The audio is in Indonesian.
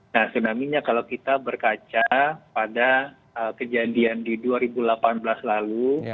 nah tsunami nya kalau kita berkaca pada kejadian di dua ribu delapan belas lalu